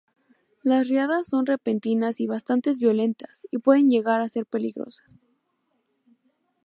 Las riadas son repentinas y bastante violentas, y pueden llegar a ser peligrosas.